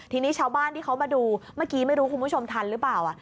ทีนี้ชาวบ้านที่เขามาดูเมื่อกี้ไม่รู้คุณผู้ชมทันหรือเปล่า